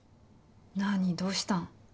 何どうした。